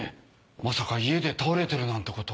まさか家で倒れてるなんてことは。